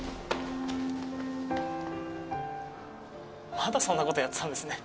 まだそんなことやってたんですね。